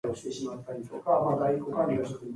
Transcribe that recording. The dominant geologic feature of the area is Glacier Peak.